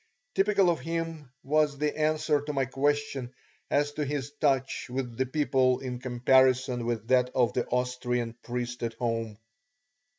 Typical of him was the answer to my question as to his touch with the people in comparison with that of the Austrian priest at home.